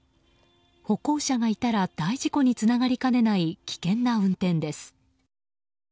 歩行者がいたら大事故につながりかねない危険な運転です。